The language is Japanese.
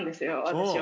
私は。